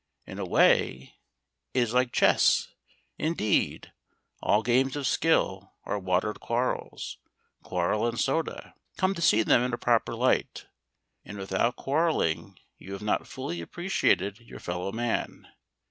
In a way it is like chess. Indeed, all games of skill are watered quarrels, quarrel and soda, come to see them in a proper light. And without quarrelling you have not fully appreciated your fellow man.